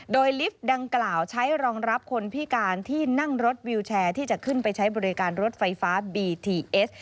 โดยลิฟต์ดังกล่าวใช้รองรับคนพิการที่นั่งรถวิวแชร์ที่จะขึ้นไปใช้บริการรถไฟฟ้าบีทีเอส